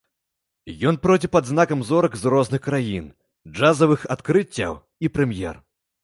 Ён пройдзе пад знакам зорак з розных краін, джазавых адкрыццяў і прэм'ер.